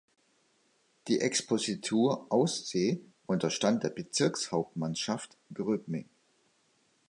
Die Expositur Aussee unterstand der Bezirkshauptmannschaft Gröbming.